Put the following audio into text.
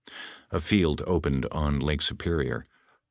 A field opened on Lake Superior.